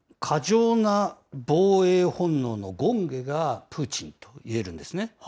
過剰な防衛本能の権化がプーチンといえるんですね。